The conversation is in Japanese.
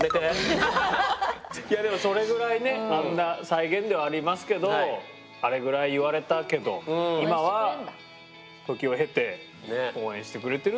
いやでもそれぐらいねあんな再現ではありますけどあれぐらい言われたけど今は時を経て応援してくれてるっていうのは。